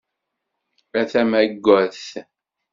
A tamagadt!